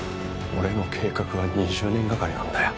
俺の計画は２０年がかりなんだよ。